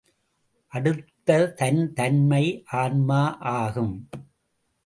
அடுத்ததன் தன்மை ஆன்மா ஆகும்.